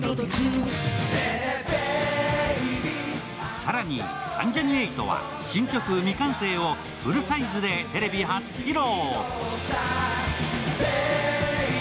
更に関ジャニ∞は新曲「未完成」をフルサイズでテレビ初披露。